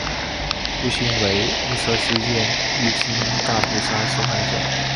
父亲为雾社事件日军大屠杀受害者。